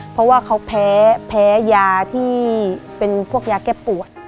เพราะว่าเขาแพ้ยาที่เป็นพวกยาแก้ปวด